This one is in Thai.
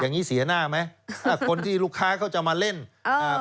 อย่างงีเสียหน้าไหมอ่าคนที่ลูกค้าเขาจะมาเล่นอ่า